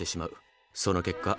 その結果。